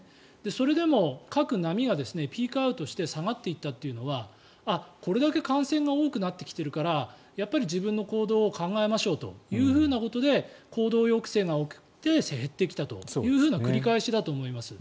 それでも各波がピークアウトして下がっていったというのはこれだけ感染が多くなってきているからやっぱり自分の行動を考えましょうということで行動抑制が起こって減ってきたという繰り返しだと思います。